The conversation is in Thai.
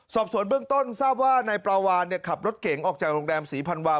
สอบสวนเบื้องต้นทราบว่านายปลาวานขับรถเก๋งออกจากโรงแรมศรีพันวา